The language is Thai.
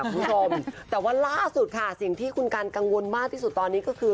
คุณผู้ชมแต่ว่าล่าสุดค่ะสิ่งที่คุณกันกังวลมากที่สุดตอนนี้ก็คือ